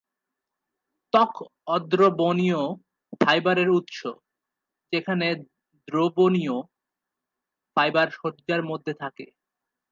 ত্বক অদ্রবণীয় ফাইবারের উৎস, যেখানে দ্রবণীয় ফাইবার সজ্জার মধ্যে থাকে।